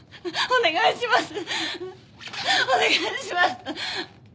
お願いします。